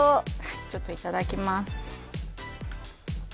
ちょっと、いただきます。